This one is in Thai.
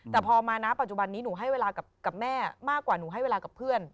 แต่พอมานะปัจจุบันนี้หนูให้เวลากับแม่มากกว่าหนูให้เวลากับเพื่อน